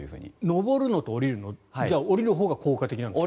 上るのと下りるのじゃ下りるほうが効果的なんですか？